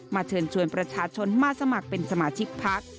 เชิญชวนประชาชนมาสมัครเป็นสมาชิกพัก